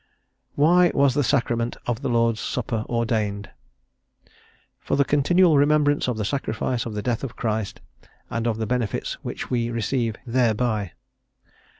"Why was the Sacrament of the Lord's Supper ordained? For the continual remembrance of the sacrifice of the death of Christ, and of the benefits which we receive thereby."